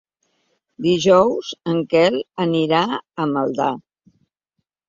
Dijous en Quel anirà a Maldà.